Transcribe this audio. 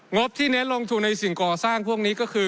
บที่เน้นลงทุนในสิ่งก่อสร้างพวกนี้ก็คือ